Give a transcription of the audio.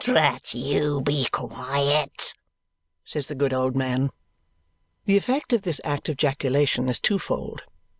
"Drat you, be quiet!" says the good old man. The effect of this act of jaculation is twofold.